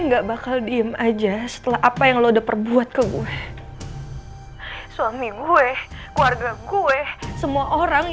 enggak bakal diem aja setelah apa yang lo udah perbuat ke gue suami gue keluarga gue semua orang